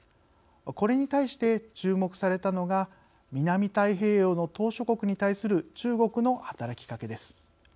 これに対して注目されたのが南太平洋の島しょ国に対する中国の働きかけです。